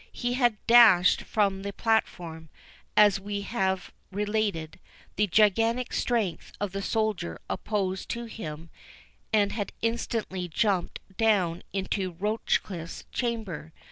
He had dashed from the platform, as we have related, the gigantic strength of the soldier opposed to him, and had instantly jumped down into Rochecliffe's chamber.